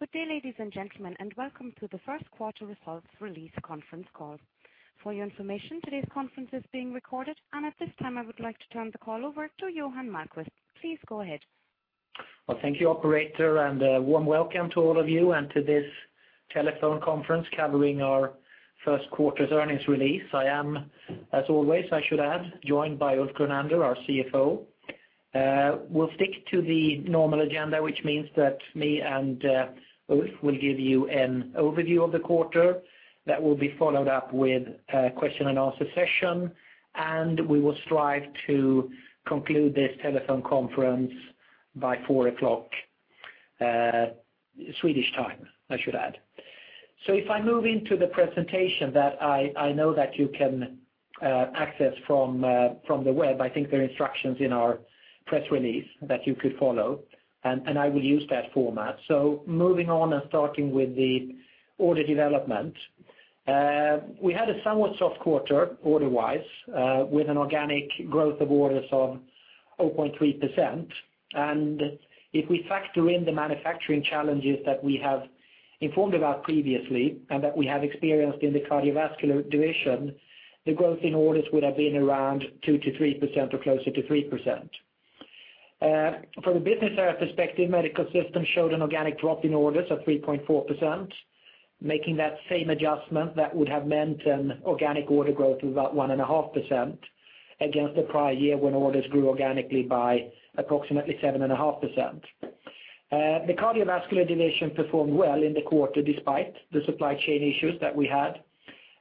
Good day, ladies and gentlemen, and welcome to the First Quarter Results Release Conference Call. For your information, today's conference is being recorded, and at this time, I would like to turn the call over to Johan Malmquist. Please go ahead. Well, thank you, operator, and a warm welcome to all of you and to this telephone conference covering our first quarter's earnings release. I am, as always, I should add, joined by Ulf Grunander, our CFO. We'll stick to the normal agenda, which means that me and Ulf will give you an overview of the quarter. That will be followed up with a question and answer session, and we will strive to conclude this telephone conference by 4:00 P.M. Swedish time, I should add. So if I move into the presentation that I know that you can access from the web, I think there are instructions in our press release that you could follow, and I will use that format. So moving on and starting with the order development. We had a somewhat soft quarter, order-wise, with an organic growth of orders of 0.3%. And if we factor in the manufacturing challenges that we have informed about previously and that we have experienced in the cardiovascular division, the growth in orders would have been around 2%-3% or closer to 3%. From a business area perspective, Medical Systems showed an organic drop in orders of 3.4%, making that same adjustment that would have meant an organic order growth of about 1.5% against the prior year, when orders grew organically by approximately 7.5%. The cardiovascular division performed well in the quarter despite the supply chain issues that we had,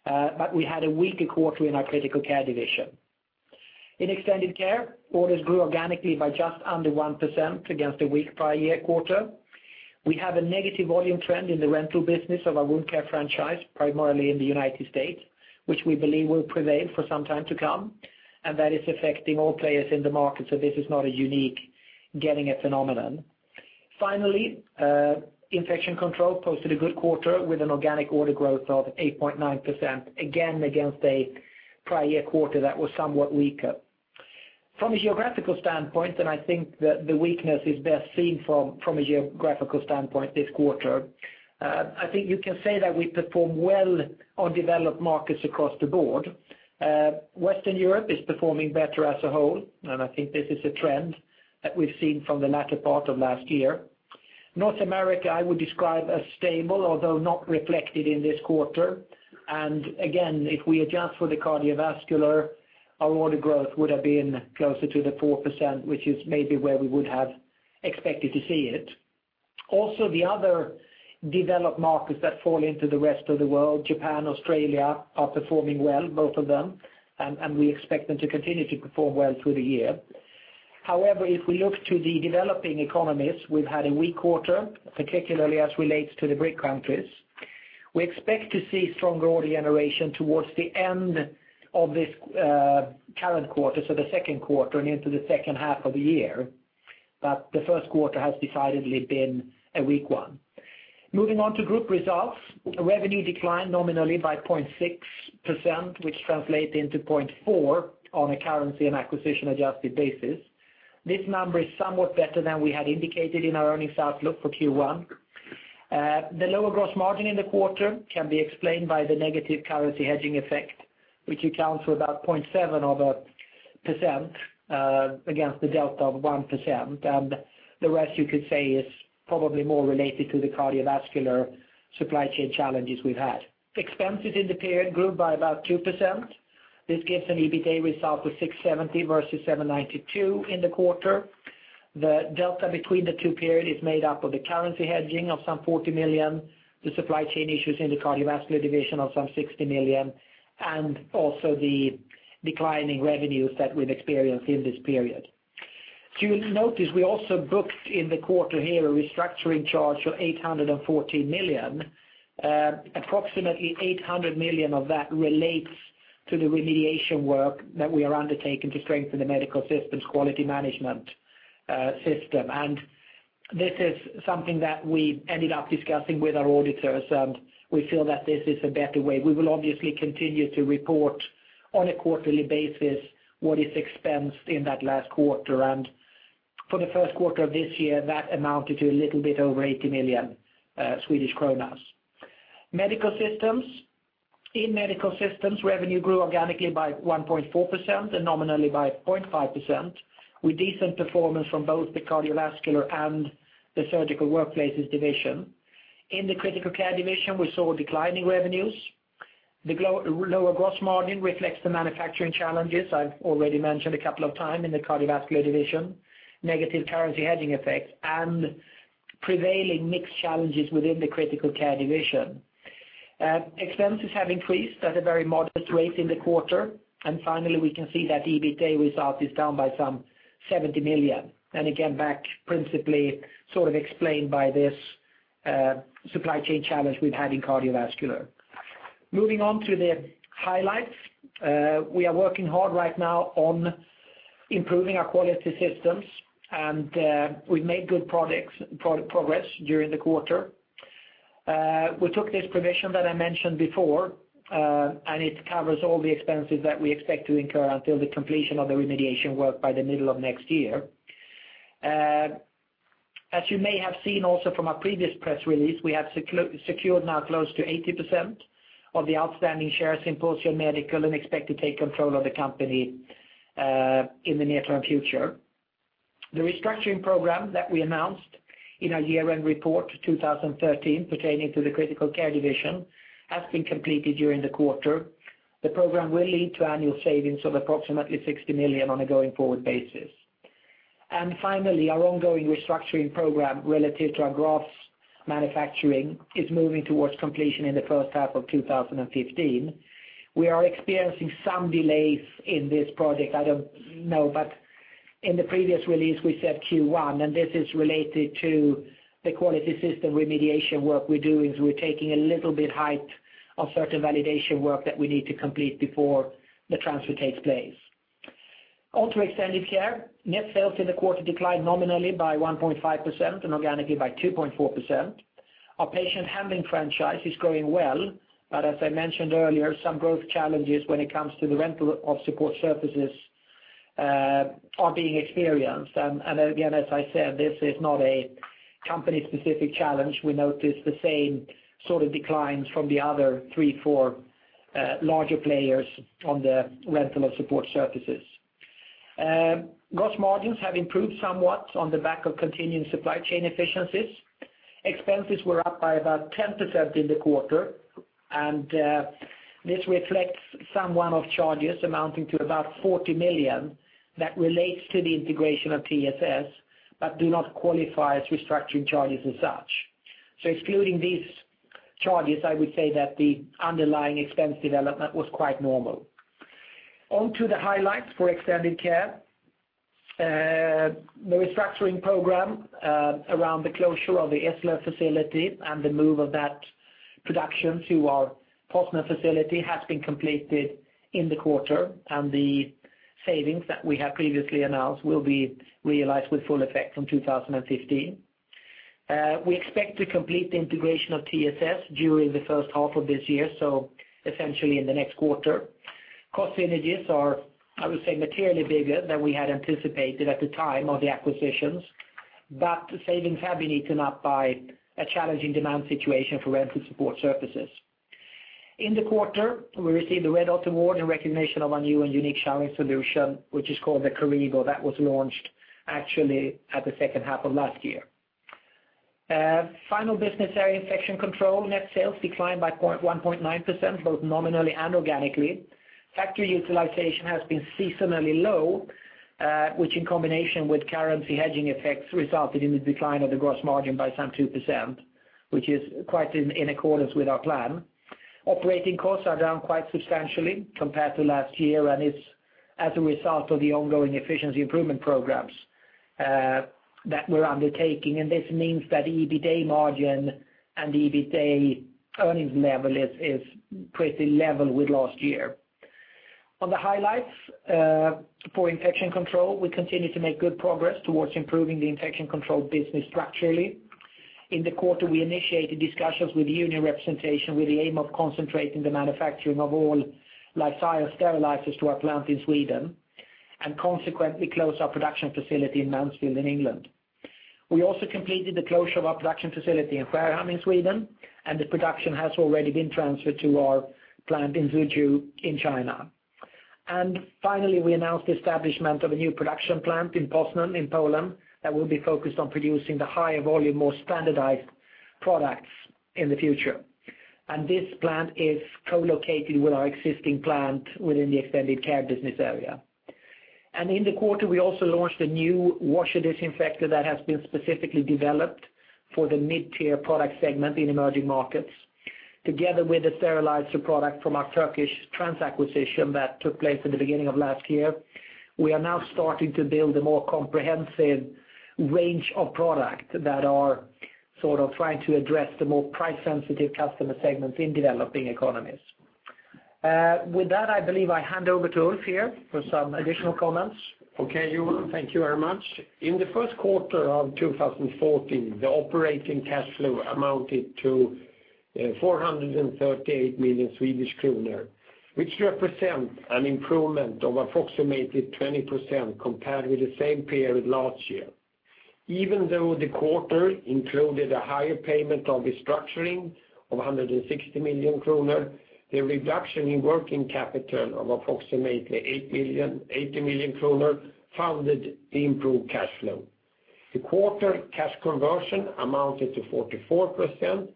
but we had a weaker quarter in our Critical Care division. In extended care, orders grew organically by just under 1% against a weak prior year quarter. We have a negative volume trend in the rental business of our wound care franchise, primarily in the United States, which we believe will prevail for some time to come, and that is affecting all players in the market, so this is not a unique Getinge phenomenon. Finally, infection control posted a good quarter with an organic order growth of 8.9%, again, against a prior year quarter that was somewhat weaker. From a geographical standpoint, and I think that the weakness is best seen from, from a geographical standpoint this quarter, I think you can say that we performed well on developed markets across the board. Western Europe is performing better as a whole, and I think this is a trend that we've seen from the latter part of last year. North America, I would describe as stable, although not reflected in this quarter. Again, if we adjust for the cardiovascular, our order growth would have been closer to the 4%, which is maybe where we would have expected to see it. Also, the other developed markets that fall into the rest of the world, Japan, Australia, are performing well, both of them, and, and we expect them to continue to perform well through the year. However, if we look to the developing economies, we've had a weak quarter, particularly as relates to the BRIC countries. We expect to see stronger order generation towards the end of this, current quarter, so the second quarter and into the second half of the year, but the first quarter has decidedly been a weak one. Moving on to group results. Revenue declined nominally by 0.6%, which translates into 0.4% on a currency and acquisition-adjusted basis. This number is somewhat better than we had indicated in our earnings outlook for Q1. The lower gross margin in the quarter can be explained by the negative currency hedging effect, which accounts for about 0.7% against the delta of 1%, and the rest, you could say, is probably more related to the cardiovascular supply chain challenges we've had. Expenses in the period grew by about 2%. This gives an EBITA result of 670 versus 792 in the quarter. The delta between the two periods is made up of the currency hedging of some 40 million, the supply chain issues in the cardiovascular division of some 60 million, and also the declining revenues that we've experienced in this period. So you will notice we also booked in the quarter here a restructuring charge of 814 million. Approximately 800 million of that relates to the remediation work that we are undertaking to strengthen the Medical Systems quality management system. And this is something that we ended up discussing with our auditors, and we feel that this is a better way. We will obviously continue to report on a quarterly basis what is expensed in that last quarter, and for the first quarter of this year, that amounted to a little bit over 80 million Swedish Kronas. Medical Systems. In Medical Systems, revenue grew organically by 1.4% and nominally by 0.5%, with decent performance from both the cardiovascular and the surgical workplaces division. In the critical care division, we saw declining revenues. The lower gross margin reflects the manufacturing challenges I've already mentioned a couple of times in the cardiovascular division, negative currency hedging effects, and prevailing mixed challenges within the critical care division. Expenses have increased at a very modest rate in the quarter, and finally, we can see that EBITA result is down by some 70 million, and again, back principally sort of explained by this, supply chain challenge we've had in cardiovascular. Moving on to the highlights. We are working hard right now on improving our quality systems, and, we've made good product progress during the quarter. We took this provision that I mentioned before, and it covers all the expenses that we expect to incur until the completion of the remediation work by the middle of next year. As you may have seen also from our previous press release, we have secured now close to 80% of the outstanding shares in Pulsion Medical, and expect to take control of the company, in the near-term future. The restructuring program that we announced in our year-end report 2013, pertaining to the critical care division, has been completed during the quarter. The program will lead to annual savings of approximately 60 million on a going-forward basis. Finally, our ongoing restructuring program relative to our global manufacturing is moving towards completion in the first half of 2015. We are experiencing some delays in this project. I don't know, but in the previous release, we said Q1, and this is related to the quality system remediation work we're doing. We're taking a little bit height of certain validation work that we need to complete before the transfer takes place. On to Extended Care. Net sales in the quarter declined nominally by 1.5% and organically by 2.4%. Our patient handling franchise is growing well, but as I mentioned earlier, some growth challenges when it comes to the rental of support services are being experienced. Again, as I said, this is not a company-specific challenge. We notice the same sort of declines from the other three, four larger players on the rental of support services. Gross margins have improved somewhat on the back of continuing supply chain efficiencies. Expenses were up by about 10% in the quarter, and this reflects some one-off charges amounting to about 40 million that relates to the integration of TSS, but do not qualify as restructuring charges as such. So excluding these charges, I would say that the underlying expense development was quite normal. On to the highlights for Extended Care. The restructuring program around the closure of the Eslöv facility and the move of that production to our Poznań facility has been completed in the quarter, and the savings that we have previously announced will be realized with full effect from 2015. We expect to complete the integration of TSS during the first half of this year, so essentially in the next quarter. Cost synergies are, I would say, materially bigger than we had anticipated at the time of the acquisitions, but the savings have been eaten up by a challenging demand situation for rental support services. In the quarter, we received the Red Dot Award in recognition of our new and unique showering solution, which is called the Carevo. That was launched actually at the second half of last year. Final business area, Infection Control. Net sales declined by 0.19%, both nominally and organically. Factory utilization has been seasonally low, which in combination with currency hedging effects, resulted in the decline of the gross margin by some 2%, which is quite in accordance with our plan. Operating costs are down quite substantially compared to last year, and it's as a result of the ongoing efficiency improvement programs that we're undertaking. This means that the EBITA margin and the EBITA earnings level is, is pretty level with last year. On the highlights, for Infection Control, we continue to make good progress towards improving the infection control business structurally. In the quarter, we initiated discussions with union representation with the aim of concentrating the manufacturing of all Life Science sterilizers to our plant in Sweden, and consequently, close our production facility in Mansfield, in England. We also completed the closure of our production facility in Sjöbo, in Sweden, and the production has already been transferred to our plant in Suzhou, in China. And finally, we announced the establishment of a new production plant in Poznań, in Poland, that will be focused on producing the higher volume, more standardized products in the future. And this plant is co-located with our existing plant within the Extended Care Business Area. In the quarter, we also launched a new washer disinfector that has been specifically developed for the mid-tier product segment in emerging markets. Together with the sterilizer product from our Turkish Trans acquisition that took place in the beginning of last year, we are now starting to build a more comprehensive range of product that are sort of trying to address the more price-sensitive customer segments in developing economies. With that, I believe I hand over to Ulf here for some additional comments. Okay, Johan, thank you very much. In the first quarter of 2014, the operating cash flow amounted to 438 million Swedish kronor, which represent an improvement of approximately 20% compared with the same period last year. Even though the quarter included a higher payment of restructuring of 160 million kronor, the reduction in working capital of approximately 8 million, 80 million kroner funded the improved cash flow. The quarter cash conversion amounted to 44%,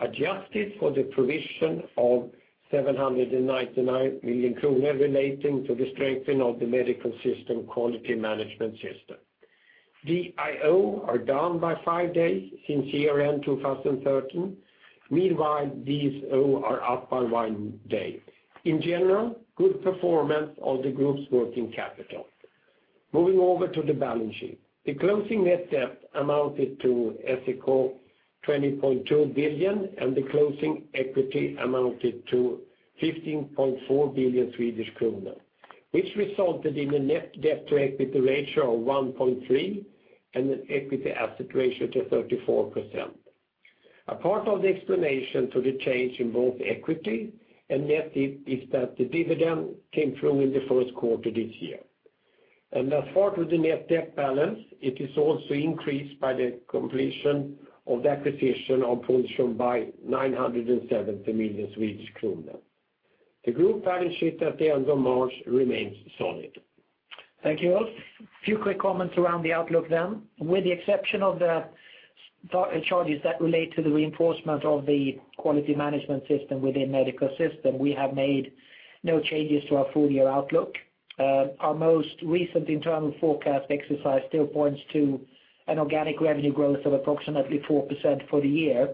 adjusted for the provision of 799 million kronor relating to the strengthening of the medical system, quality management system. DIO are down by 5 days since year-end 2013. Meanwhile, DSO are up by 1 day. In general, good performance of the group's working capital. Moving over to the balance sheet. The closing net debt amounted to, as we call, 20.2 billion, and the closing equity amounted to 15.4 billion Swedish kronor, which resulted in a net debt to equity ratio of 1.3 and an equity asset ratio to 34%. A part of the explanation to the change in both equity and net is that the dividend came through in the first quarter this year. As part of the net debt balance, it is also increased by the completion of the acquisition of Pulsion by 970 million Swedish krona. The group balance sheet at the end of March remains solid. Thank you, Ulf. Few quick comments around the outlook then. With the exception of the charges that relate to the reinforcement of the quality management system within Medical Systems, we have made no changes to our full year outlook. Our most recent internal forecast exercise still points to an organic revenue growth of approximately 4% for the year.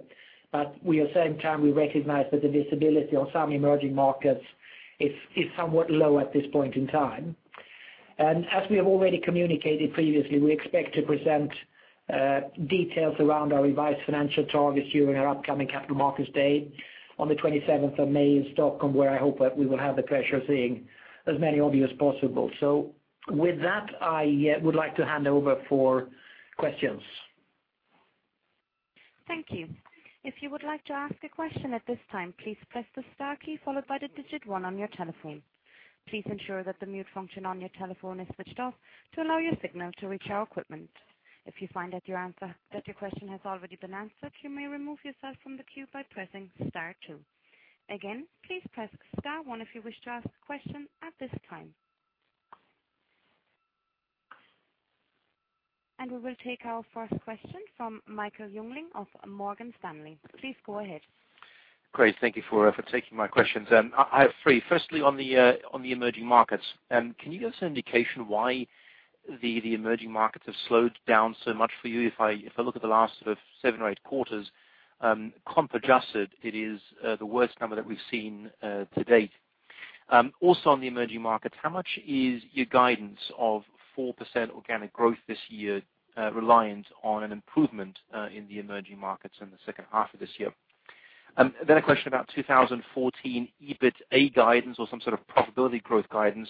But we at the same time, we recognize that the visibility on some emerging markets is, is somewhat low at this point in time. As we have already communicated previously, we expect to present details around our revised financial targets during our upcoming Capital Markets Day on the twenty-seventh of May in Stockholm, where I hope that we will have the pleasure of seeing as many of you as possible. With that, I would like to hand over for questions. Thank you. If you would like to ask a question at this time, please press the star key followed by the digit one on your telephone. Please ensure that the mute function on your telephone is switched off to allow your signal to reach our equipment. If you find that your question has already been answered, you may remove yourself from the queue by pressing star two. Again, please press star one if you wish to ask a question at this time. We will take our first question from Michael Jungling of Morgan Stanley. Please go ahead. Great, thank you for taking my questions. I have three. Firstly, on the emerging markets, can you give us an indication why the emerging markets have slowed down so much for you? If I look at the last sort of seven or eight quarters, comp adjusted, it is the worst number that we've seen to date. Also on the emerging markets, how much is your guidance of 4% organic growth this year reliant on an improvement in the emerging markets in the second half of this year? Then a question about 2014, EBITDA guidance or some sort of profitability growth guidance.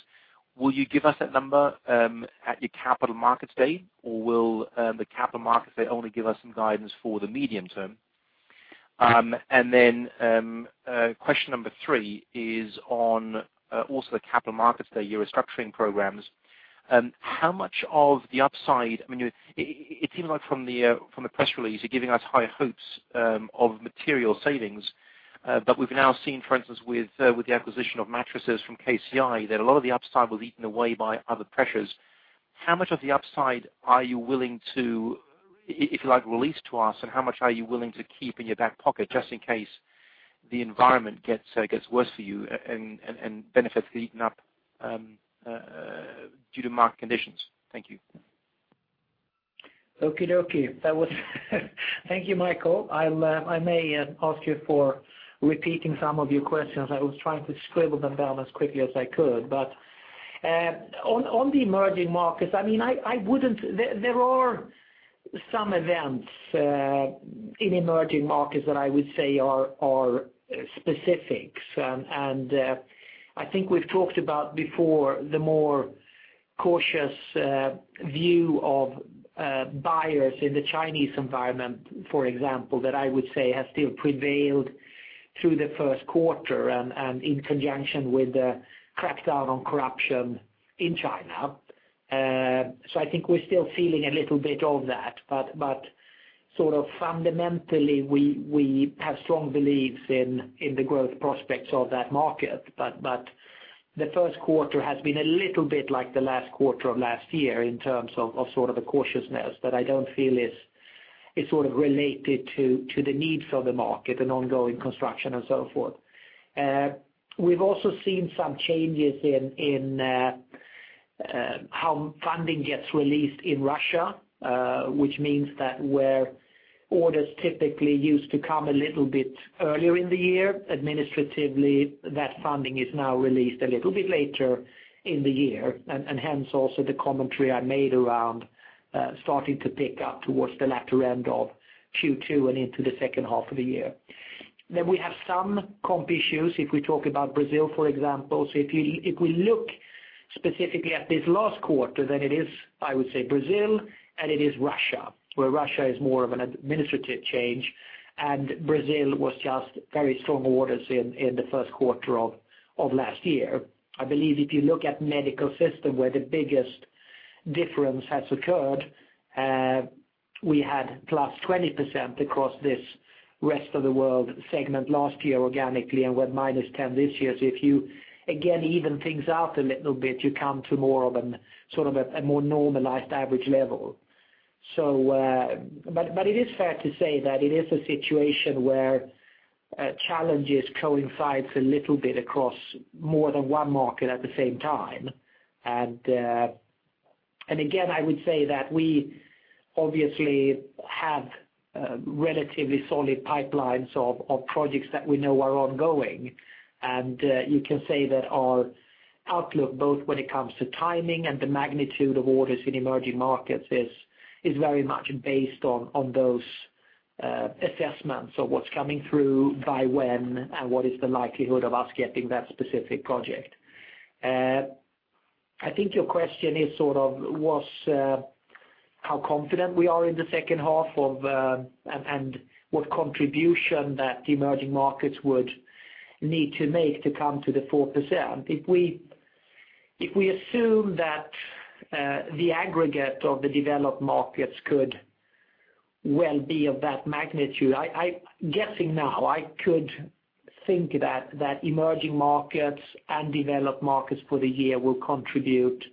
Will you give us that number at your Capital Markets Day, or will the Capital Markets Day only give us some guidance for the medium term? And then, question number three is on also the Capital Markets Day restructuring programs. How much of the upside, I mean, you- it, it seems like from the, from the press release, you're giving us high hopes, of material savings, but we've now seen, for instance, with, with the acquisition of mattresses from KCI, that a lot of the upside was eaten away by other pressures. How much of the upside are you willing to, if you like, release to us, and how much are you willing to keep in your back pocket just in case the environment gets, gets worse for you and, and, and benefits are eaten up, due to market conditions? Thank you. Okey-dokey, that was—thank you, Michael. I'll, I may ask you for repeating some of your questions. I was trying to scribble them down as quickly as I could. But on the emerging markets, I mean, I wouldn't—there are some events in emerging markets that I would say are specifics. And I think we've talked about before, the more cautious view of buyers in the Chinese environment, for example, that I would say has still prevailed through the first quarter and in conjunction with the crackdown on corruption in China. So I think we're still feeling a little bit of that, but sort of fundamentally, we have strong beliefs in the growth prospects of that market. But the first quarter has been a little bit like the last quarter of last year in terms of sort of a cautiousness that I don't feel is sort of related to the needs of the market and ongoing construction and so forth. We've also seen some changes in how funding gets released in Russia, which means that where orders typically used to come a little bit earlier in the year, administratively, that funding is now released a little bit later in the year. And hence, also the commentary I made around starting to pick up towards the latter end of Q2 and into the second half of the year. Then we have some comp issues, if we talk about Brazil, for example. So if we, if we look specifically at this last quarter, then it is, I would say, Brazil, and it is Russia, where Russia is more of an administrative change, and Brazil was just very strong orders in the first quarter of last year. I believe if you look at medical system, where the biggest difference has occurred, we had +20% across this rest of the world segment last year, organically, and we're at -10% this year. So if you, again, even things out a little bit, you come to more of an, sort of a, a more normalized average level. So, but, but it is fair to say that it is a situation where challenges coincides a little bit across more than one market at the same time. And again, I would say that we obviously have relatively solid pipelines of projects that we know are ongoing. And you can say that our outlook, both when it comes to timing and the magnitude of orders in emerging markets, is very much based on those assessments of what's coming through, by when, and what is the likelihood of us getting that specific project? I think your question is sort of was how confident we are in the second half of and what contribution that the emerging markets would need to make to come to the 4%. If we assume that the aggregate of the developed markets could well be of that magnitude. Guessing now, I could think that emerging markets and developed markets for the year will contribute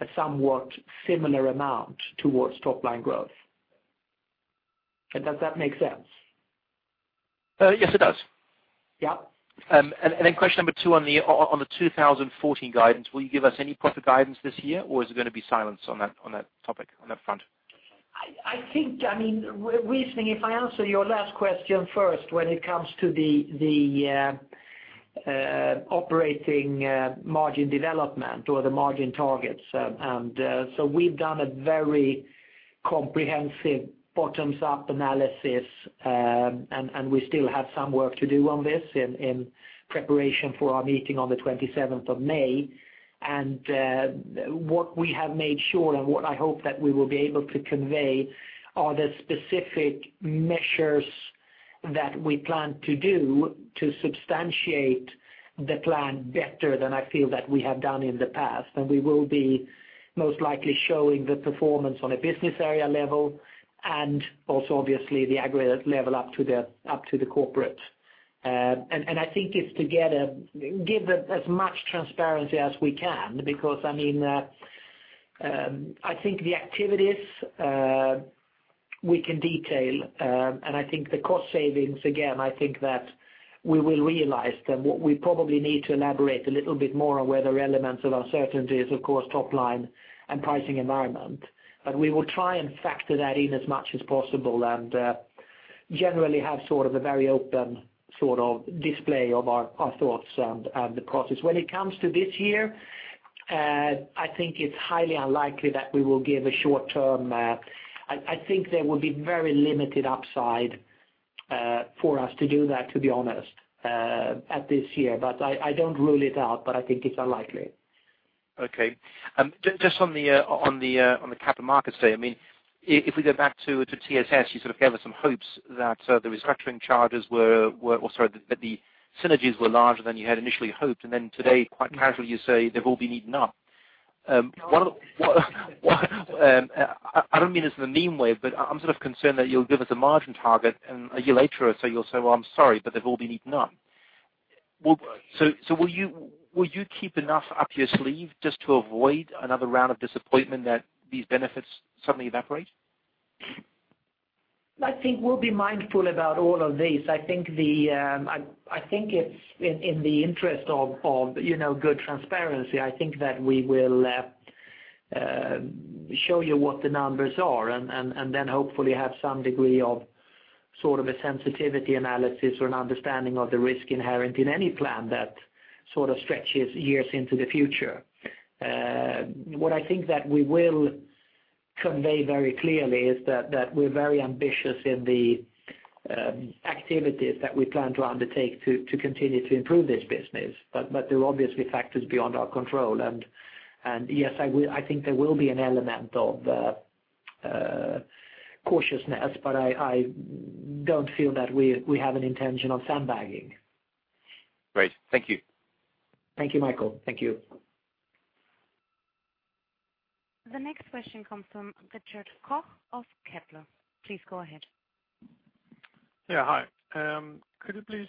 a somewhat similar amount towards top-line growth. Does that make sense? Yes, it does. Yeah. And then question number two on the 2014 guidance, will you give us any profit guidance this year, or is it going to be silence on that topic, on that front? I think, I mean, we, if I answer your last question first, when it comes to the operating margin development or the margin targets, and so we've done a very comprehensive bottoms-up analysis, and we still have some work to do on this in preparation for our meeting on the twenty-seventh of May. What we have made sure, and what I hope that we will be able to convey, are the specific measures that we plan to do to substantiate the plan better than I feel that we have done in the past. We will be most likely showing the performance on a business area level and also, obviously, the aggregate level up to the corporate. I think it's to give as much transparency as we can because, I mean, I think the activities we can detail, and I think the cost savings, again, I think that we will realize that what we probably need to elaborate a little bit more on where there are elements of uncertainty is, of course, top line and pricing environment. But we will try and factor that in as much as possible and, generally have sort of a very open sort of display of our thoughts and the process. When it comes to this year, I think it's highly unlikely that we will give a short-term... I think there will be very limited upside for us to do that, to be honest, at this year. But I don't rule it out, but I think it's unlikely. Okay. Just on the Capital Markets Day, I mean, if we go back to TSS, you sort of gave us some hopes that the restructuring charges were, or sorry, that the synergies were larger than you had initially hoped, and then today, quite casually, you say they've all been eaten up. One of the what I don't mean this in a mean way, but I'm sort of concerned that you'll give us a margin target, and a year later, or so, you'll say, "Well, I'm sorry, but they've all been eaten up." Well, so will you keep enough up your sleeve just to avoid another round of disappointment that these benefits suddenly evaporate? I think we'll be mindful about all of this. I think it's in the interest of you know good transparency. I think that we will show you what the numbers are, and then hopefully have some degree of sort of a sensitivity analysis or an understanding of the risk inherent in any plan that sort of stretches years into the future. What I think that we will convey very clearly is that we're very ambitious in the activities that we plan to undertake to continue to improve this business. But there are obviously factors beyond our control, and yes, I think there will be an element of cautiousness, but I don't feel that we have an intention of sandbagging. Great. Thank you. Thank you, Michael. Thank you. The next question comes from Richard Koch of Kepler. Please go ahead. Yeah, hi. Could you please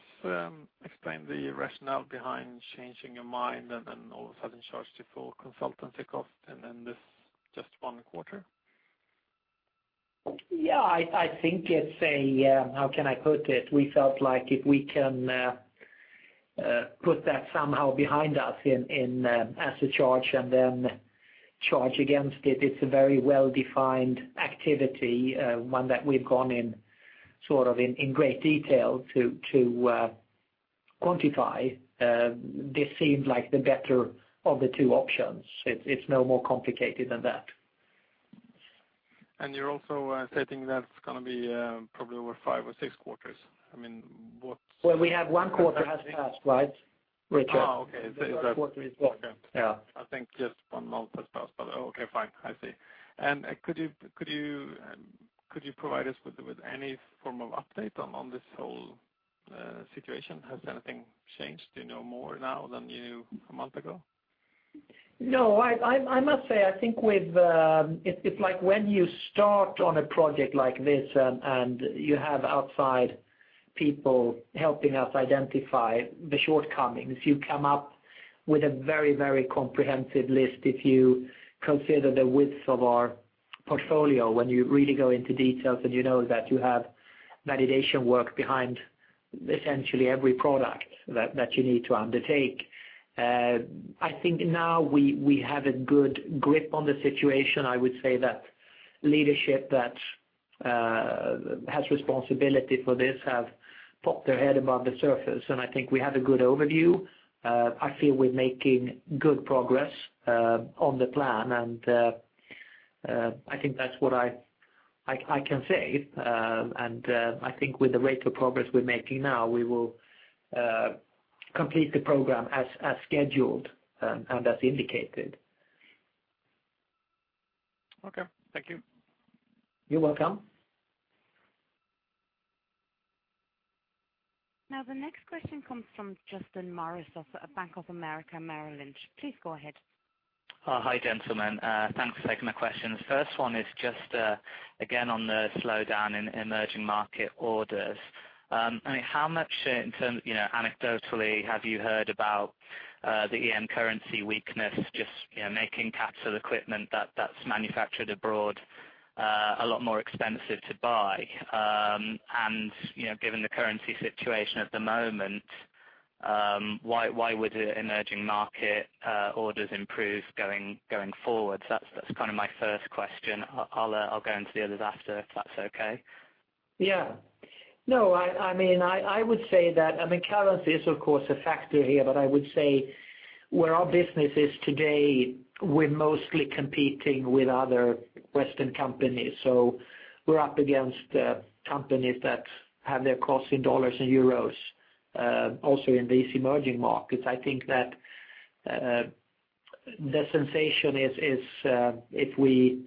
explain the rationale behind changing your mind and then all of a sudden charge the full consultancy cost, and then this just one quarter? Yeah, I, I think it's a, how can I put it? We felt like if we can put that somehow behind us in as a charge and then charge against it, it's a very well-defined activity, one that we've gone in sort of in great detail to quantify. This seemed like the better of the two options. It's no more complicated than that. You're also stating that it's gonna be probably over 5 or 6 quarters. I mean, what's- Well, we have one quarter has passed, right, Richard? Ah, okay. The first quarter is gone. Yeah. I think just one month has passed, but okay, fine, I see. Could you provide us with any form of update on this whole situation? Has anything changed? Do you know more now than you knew a month ago? No, I must say, I think with... It's like when you start on a project like this, and you have outside people helping us identify the shortcomings, you come up with a very, very comprehensive list. If you consider the width of our portfolio, when you really go into details, and you know that you have validation work behind essentially every product that you need to undertake. I think now we have a good grip on the situation. I would say that leadership that has responsibility for this have popped their head above the surface, and I think we have a good overview. I feel we're making good progress on the plan, and I think that's what I can say. I think with the rate of progress we're making now, we will complete the program as scheduled, and as indicated. Okay, thank you. You're welcome. Now, the next question comes from Justin Morris of Bank of America Merrill Lynch. Please go ahead. Hi, gentlemen. Thanks for taking my questions. First one is just, again, on the slowdown in emerging market orders. I mean, how much in terms, you know, anecdotally, have you heard about the EM currency weakness, just, you know, making capital equipment that's manufactured abroad a lot more expensive to buy? And, you know, given the currency situation at the moment, why would the emerging market orders improve going forward? So that's kind of my first question. I'll go into the others after, if that's okay? Yeah. No, I mean, I would say that, I mean, currency is, of course, a factor here, but I would say where our business is today, we're mostly competing with other Western companies. So we're up against companies that have their costs in dollars and euros also in these emerging markets. I think that the sensation is if we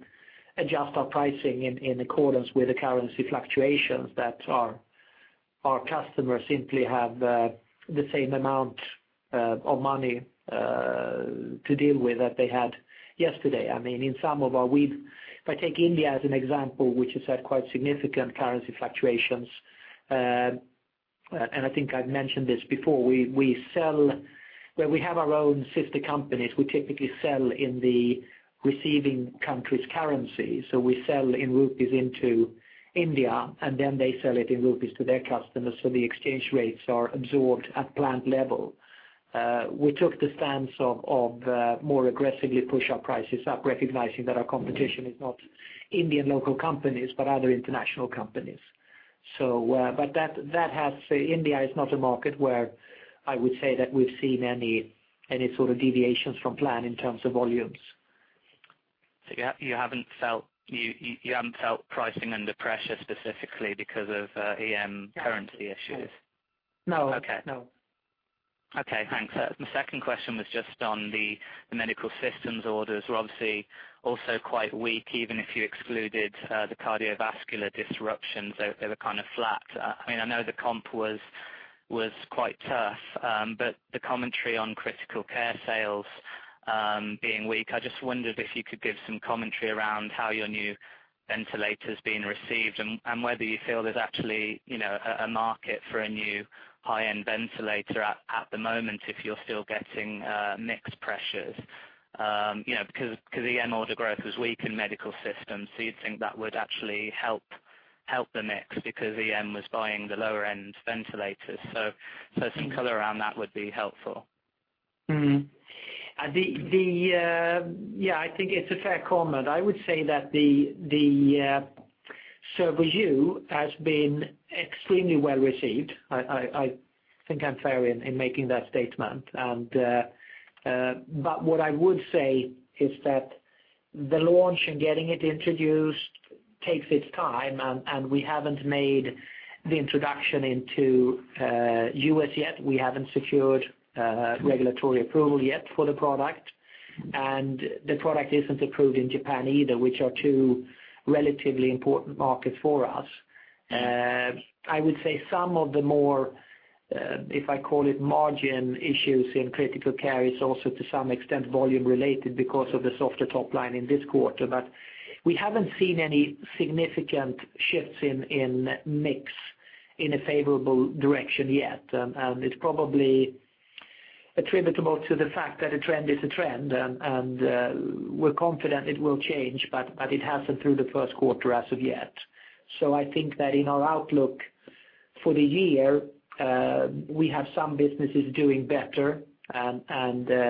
adjust our pricing in accordance with the currency fluctuations, that our customers simply have the same amount of money to deal with that they had yesterday. I mean, if I take India as an example, which has had quite significant currency fluctuations, and I think I've mentioned this before, we sell. Where we have our own sister companies, we typically sell in the receiving country's currency. So we sell in rupees into India, and then they sell it in rupees to their customers, so the exchange rates are absorbed at plant level. We took the stance of more aggressively push our prices up, recognizing that our competition is not Indian local companies, but other international companies. So, but that has. India is not a market where I would say that we've seen any sort of deviations from plan in terms of volumes. So you haven't felt pricing under pressure specifically because of EM currency issues? No. Okay. No. Okay, thanks. My second question was just on the Medical Systems orders, were obviously also quite weak, even if you excluded the cardiovascular disruptions, they were kind of flat. I mean, I know the comp was quite tough, but the commentary on critical care sales being weak. I just wondered if you could give some commentary around how your new ventilator is being received, and whether you feel there's actually, you know, a market for a new high-end ventilator at the moment, if you're still getting mixed pressures. You know, because EM order growth was weak in Medical Systems, so you'd think that would actually help the mix because EM was buying the lower-end ventilators. So some color around that would be helpful. Mm-hmm. Yeah, I think it's a fair comment. I would say that Servo-U has been extremely well received. I think I'm fair in making that statement. But what I would say is that the launch and getting it introduced takes its time, and we haven't made the introduction into US yet. We haven't secured regulatory approval yet for the product, and the product isn't approved in Japan either, which are two relatively important markets for us. I would say some of the more, if I call it margin issues in critical care, is also, to some extent, volume related because of the softer top line in this quarter. But we haven't seen any significant shifts in mix in a favorable direction yet, and it's probably attributable to the fact that a trend is a trend, and we're confident it will change, but it hasn't through the first quarter as of yet. So I think that in our outlook for the year, we have some businesses doing better, and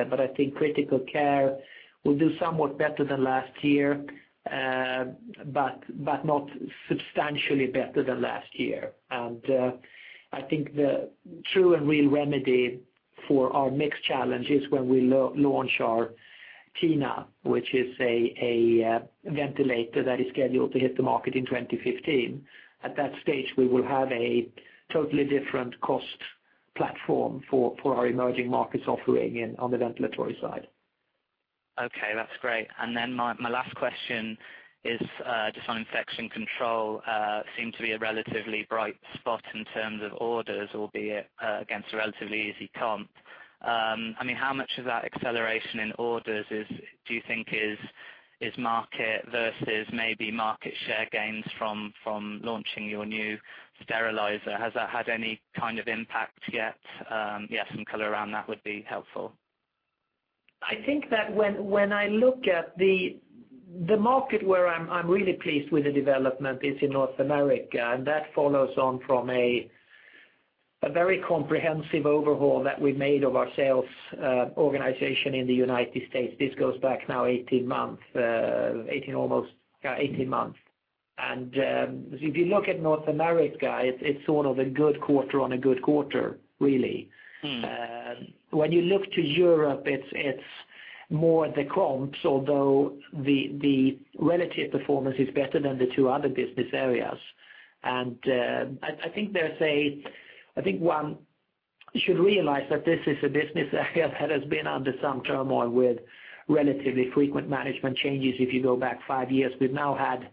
but I think critical care will do somewhat better than last year, but not substantially better than last year. And I think the true and real remedy for our mix challenge is when we launch our TINA, which is a ventilator that is scheduled to hit the market in 2015. At that stage, we will have a totally different cost platform for our emerging markets offering on the ventilatory side. Okay, that's great. And then my last question is just on Infection Control, seemed to be a relatively bright spot in terms of orders, albeit against a relatively easy comp. I mean, how much of that acceleration in orders is, do you think is market versus maybe market share gains from launching your new sterilizer? Has that had any kind of impact yet? Yeah, some color around that would be helpful. I think that when I look at the market where I'm really pleased with the development is in North America, and that follows on from a very comprehensive overhaul that we made of our sales organization in the United States. This goes back now 18 months. And if you look at North America, it's sort of a good quarter on a good quarter, really. Mm. When you look to Europe, it's more the comps, although the relative performance is better than the two other business areas. I think one should realize that this is a business area that has been under some turmoil with relatively frequent management changes if you go back five years. We've now had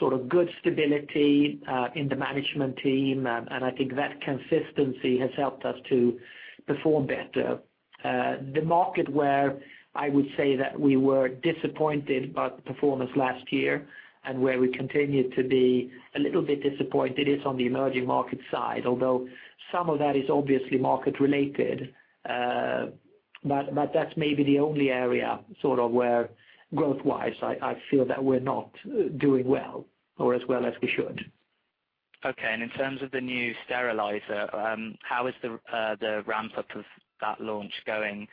sort of good stability in the management team, and I think that consistency has helped us to perform better. The market where I would say that we were disappointed about the performance last year, and where we continue to be a little bit disappointed, is on the emerging market side, although some of that is obviously market related. But that's maybe the only area sort of where growth-wise, I feel that we're not doing well or as well as we should. Okay. And in terms of the new sterilizer, how is the ramp-up of that launch going?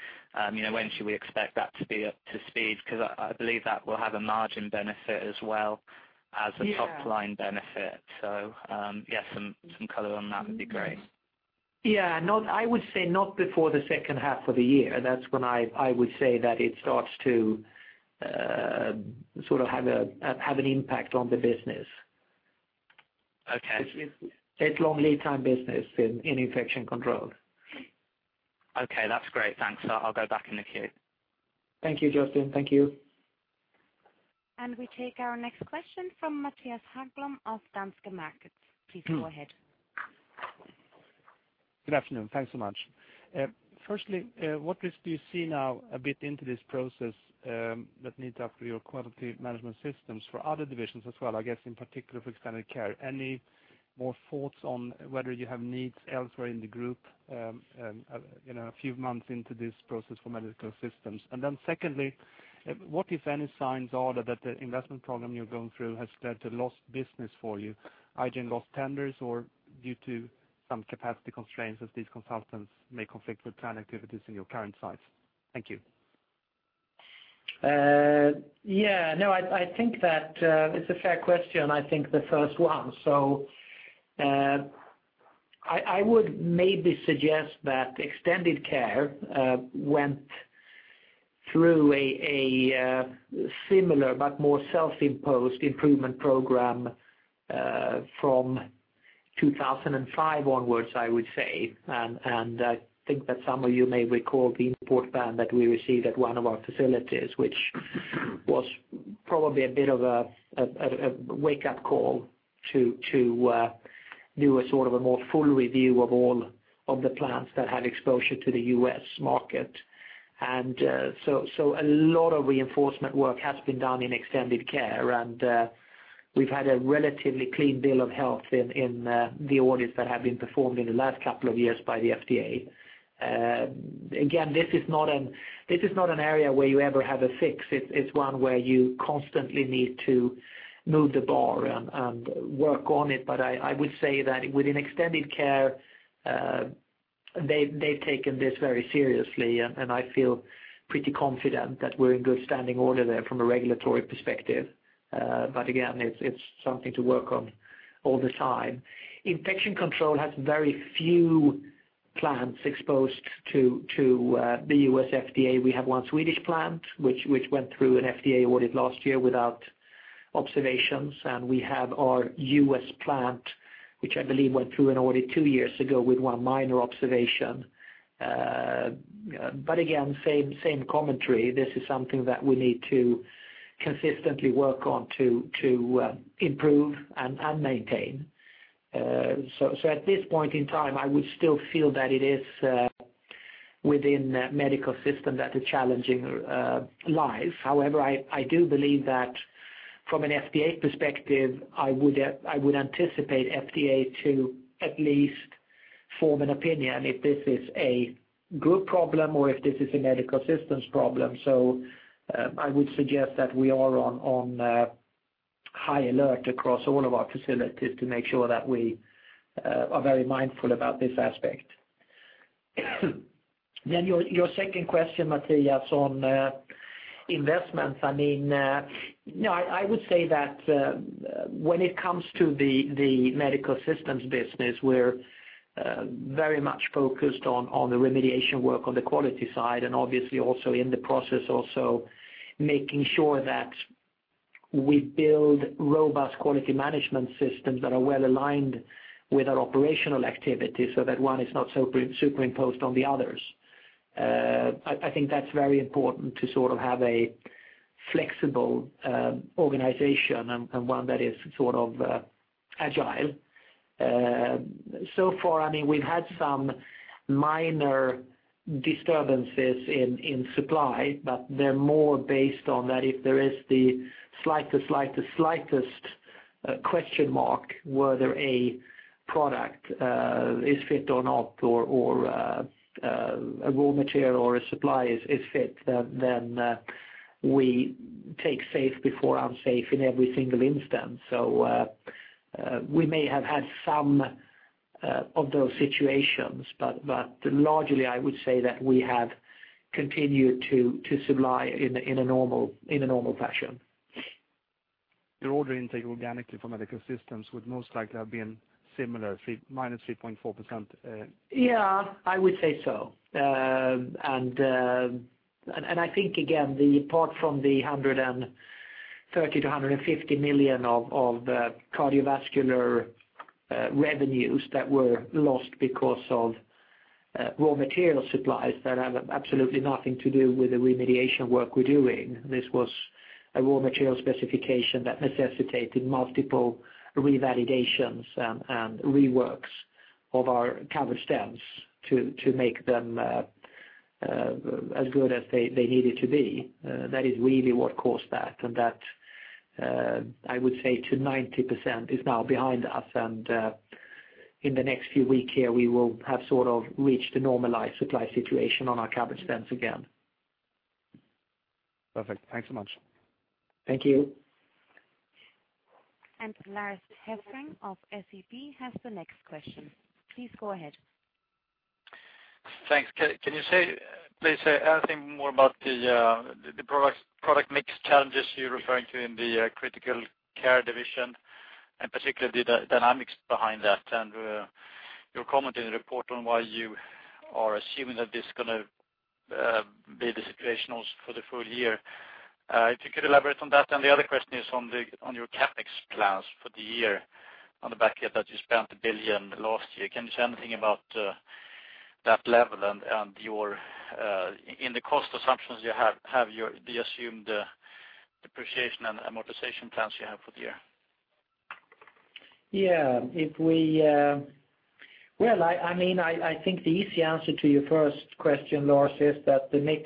You know, when should we expect that to be up to speed? 'Cause I, I believe that will have a margin benefit as well as- Yeah... a top-line benefit. So, yes, some color on that would be great. Yeah. Not, I would say not before the second half of the year. That's when I would say that it starts to sort of have an impact on the business. Okay. It's long lead time business in Infection Control. Okay. That's great. Thanks. I'll go back in the queue. Thank you, Justin. Thank you. We take our next question from Mattias Haglund of Danske Markets. Please go ahead. Good afternoon. Thanks so much. Firstly, what risk do you see now a bit into this process that needs after your quality management systems for other divisions as well, I guess, in particular, for Extended Care? Any more thoughts on whether you have needs elsewhere in the group, you know, a few months into this process for Medical Systems? And then secondly, what, if any, signs are there that the investment program you're going through has led to lost business for you, either in lost tenders or due to some capacity constraints as these consultants may conflict with plant activities in your current sites? Thank you. Yeah. No, I think that it's a fair question, I think the first one. So, I would maybe suggest that Extended Care went through a similar but more self-imposed improvement program from 2005 onwards, I would say. And I think that some of you may recall the import ban that we received at one of our facilities, which was probably a bit of a wake-up call to do a sort of a more full review of all of the plants that had exposure to the US market. So a lot of reinforcement work has been done in Extended Care, and we've had a relatively clean bill of health in the audits that have been performed in the last couple of years by the FDA. Again, this is not an area where you ever have a fix. It's one where you constantly need to move the bar and work on it. But I would say that within Extended Care, they've taken this very seriously, and I feel pretty confident that we're in good standing order there from a regulatory perspective. But again, it's something to work on all the time. Infection Control has very few plants exposed to the US FDA. We have one Swedish plant, which went through an FDA audit last year without observations, and we have our US plant, which I believe went through an audit two years ago with one minor observation. But again, same commentary. This is something that we need to consistently work on to improve and maintain. So, at this point in time, I would still feel that it is within medical system that the challenging lies. However, I do believe that from an FDA perspective, I would anticipate FDA to at least form an opinion if this is a group problem or if this is a Medical Systems problem. So, I would suggest that we are on high alert across all of our facilities to make sure that we are very mindful about this aspect. Then your second question, Matthias, on investments. I mean, you know, I would say that when it comes to the Medical Systems business, we're very much focused on the remediation work on the quality side, and obviously also in the process making sure that we build robust quality management systems that are well aligned with our operational activities, so that one is not super-superimposed on the others. I think that's very important to sort of have a flexible organization and one that is sort of agile. So far, I mean, we've had some minor disturbances in supply, but they're more based on that if there is the slightest question mark whether a product is fit or not, or a raw material or a supply is fit, then we take safe before unsafe in every single instance. So, we may have had some of those situations, but largely, I would say that we have continued to supply in a normal fashion. Your order intake organically from Medical Systems would most likely have been similar, -3.4%. Yeah, I would say so. And I think, again, apart from the 130 million-150 million of cardiovascular revenues that were lost because of raw material supplies that have absolutely nothing to do with the remediation work we're doing. This was a raw material specification that necessitated multiple revalidations and reworks of our covered stents to make them as good as they needed to be. That is really what caused that, and that I would say to 90% is now behind us, and in the next few weeks here, we will have sort of reached a normalized supply situation on our Covered Stents again. Perfect. Thanks so much. Thank you. Lars Hevreng of SEB has the next question. Please go ahead. Thanks. Can you please say anything more about the product mix challenges you're referring to in the critical care division, and particularly the dynamics behind that? And your comment in the report on why you are assuming that this is gonna be the situation also for the full year. If you could elaborate on that. And the other question is on your CapEx plans for the year, on the back end, that you spent 1 billion last year. Can you say anything about that level and the cost assumptions you have for the year, and the assumed depreciation and amortization plans you have for the year? Yeah. If we... Well, I mean, I think the easy answer to your first question, Lars, is that the mix,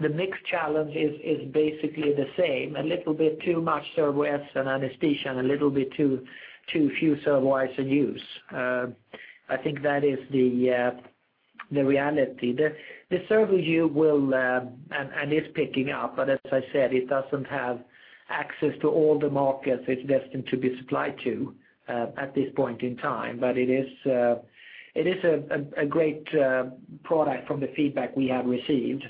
the mix challenge is basically the same, a little bit too much Servo-s and anesthesia, and a little bit too few Servo-i's in use. I think that is the reality. The Servo-u will, and is picking up, but as I said, it doesn't have access to all the markets it's destined to be supplied to, at this point in time. But it is a great product from the feedback we have received.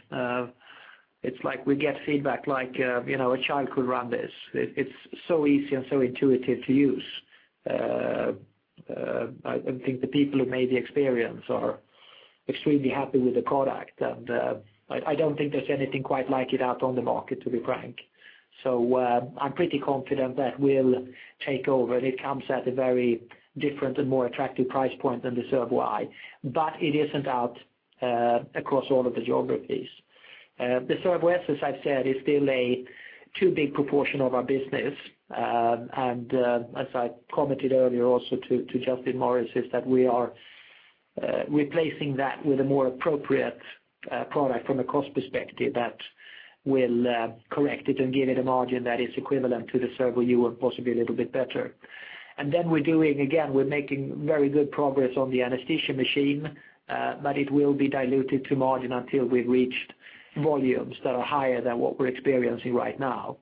It's like we get feedback like, you know, a child could run this. It's so easy and so intuitive to use. I think the people who made the experience are extremely happy with the product, and I don't think there's anything quite like it out on the market, to be frank. So, I'm pretty confident that we'll take over, and it comes at a very different and more attractive price point than the Servo-i, but it isn't out across all of the geographies. The Servo-s, as I've said, is still a too big proportion of our business. And as I commented earlier also to Justin Morris, is that we are replacing that with a more appropriate product from a cost perspective, that will correct it and give it a margin that is equivalent to the Servo-u, and possibly a little bit better. And then we're doing, again, we're making very good progress on the anesthesia machine, but it will be diluted to margin until we've reached volumes that are higher than what we're experiencing right now.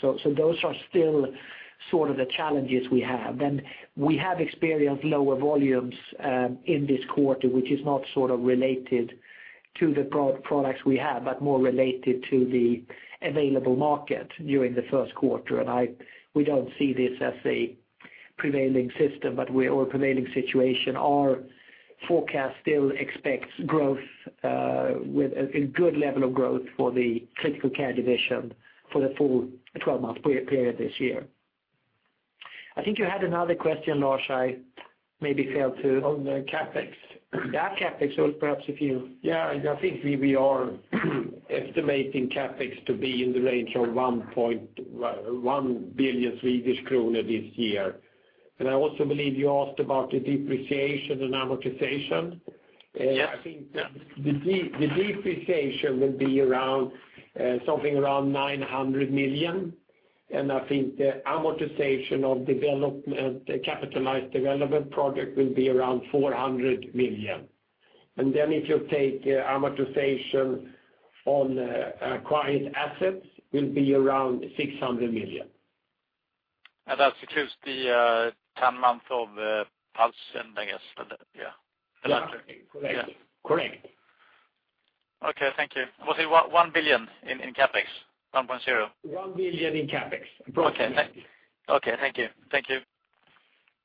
So, so those are still sort of the challenges we have. Then we have experienced lower volumes, in this quarter, which is not sort of related to the pro-products we have, but more related to the available market during the first quarter. We don't see this as a prevailing system, but we... or prevailing situation. Our forecast still expects growth, with a good level of growth for the critical care division for the full 12-month period this year. I think you had another question, Lars, I maybe failed to- On the CapEx. Yeah, CapEx. So perhaps if you- Yeah, I think we are estimating CapEx to be in the range of 1 billion Swedish kronor this year. And I also believe you asked about the depreciation and amortization. Yes. I think the depreciation will be around 900 million, and I think the amortization of development, the capitalized development project, will be around 400 million. And then if you take amortization on acquired assets, will be around 600 million. That includes the 10 months of Pulsion, I guess, but yeah. Yeah. Correct. Yeah. Correct. Okay, thank you. Was it 1.1 billion in CapEx? 1.0. 1 billion in CapEx, approximately. Okay, thank you. Thank you.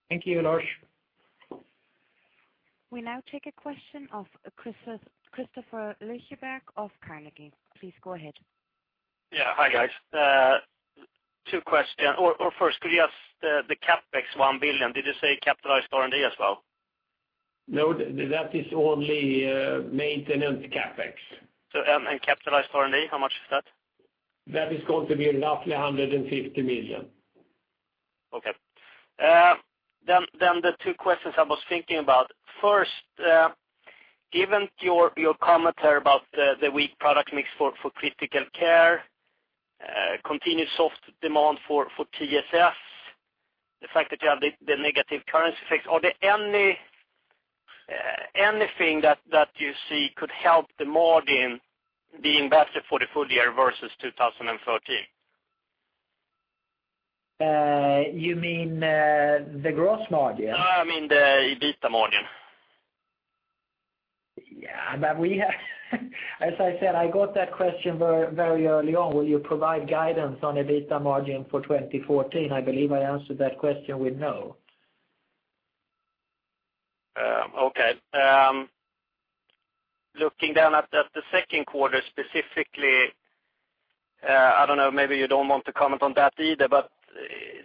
Thank you, Lars. We now take a question of Kristofer Liljeberg of Carnegie. Please go ahead. Yeah. Hi, guys. First, could you ask the CapEx 1 billion? Did you say capitalized R&D as well? No, that is only maintenance CapEx. So, and capitalized R&D, how much is that? That is going to be roughly 150 million. Okay. Then the two questions I was thinking about: First, given your commentary about the weak product mix for critical care, continued soft demand for TSS, the fact that you have the negative currency effects, are there anything that you see could help the margin being better for the full year versus 2013? You mean the gross margin? No, I mean the EBITDA margin. Yeah, but we have, as I said, I got that question very, very early on. Will you provide guidance on EBITDA margin for 2014? I believe I answered that question with no. Okay. Looking then at the second quarter specifically, I don't know, maybe you don't want to comment on that either, but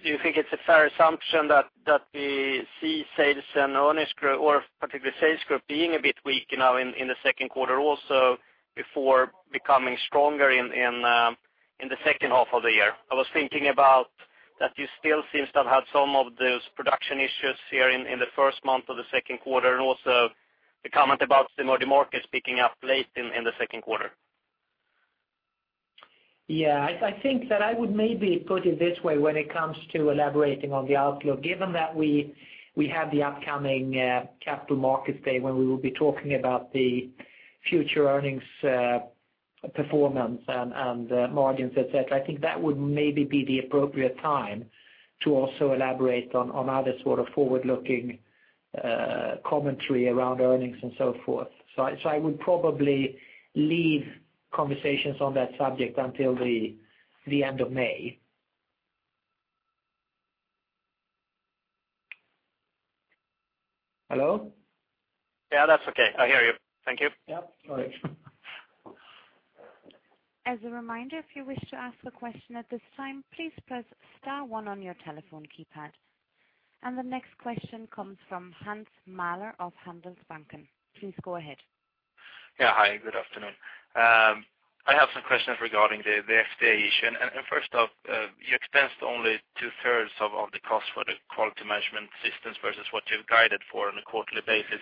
do you think it's a fair assumption that we see sales and earnings grow, or particularly sales growth, being a bit weak, you know, in the second quarter also, before becoming stronger in the second half of the year? I was thinking about that you still seem to have had some of those production issues here in the first month of the second quarter, and also the comment about some of the markets picking up late in the second quarter. Yeah, I, I think that I would maybe put it this way when it comes to elaborating on the outlook. Given that we, we have the upcoming Capital Markets Day, when we will be talking about the future earnings, performance and, and margins, et cetera, I think that would maybe be the appropriate time to also elaborate on, on other sort of forward-looking, commentary around earnings and so forth. So I, so I would probably leave conversations on that subject until the, the end of May. Hello? Yeah, that's okay. I hear you. Thank you. Yeah. All right. As a reminder, if you wish to ask a question at this time, please press star one on your telephone keypad. The next question comes from Hans Mahler of Handelsbanken. Please go ahead. Yeah. Hi, good afternoon. I have some questions regarding the FDA issue. And first off, you expensed only two-thirds of the cost for the quality management systems versus what you've guided for on a quarterly basis.